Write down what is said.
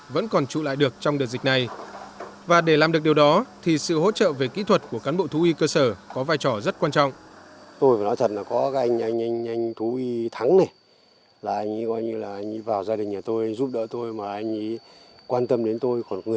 và để làm được điều đó thì sự hỗ trợ về kỹ thuật của cán bộ thú y cơ sở có vai trò rất quan trọng